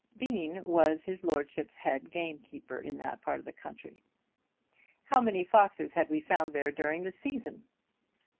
Bean was his lordship's head gamekeeper in that part of the country. "How many foxes had we found there during the season?"